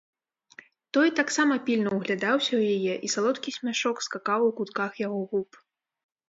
Той таксама пільна ўглядаўся ў яе, і салодкі смяшок скакаў у кутках яго губ.